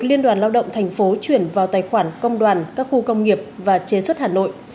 liên đoàn lao động thành phố chuyển vào tài khoản công đoàn các khu công nghiệp và chế xuất hà nội